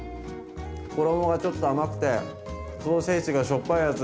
衣がちょっと甘くてソーセージがしょっぱいやつ。